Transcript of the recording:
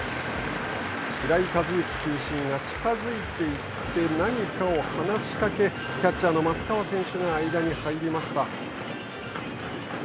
白井一行球審が近づいて行って何かを話しかけキャッチャーの松川選手が間に入りました。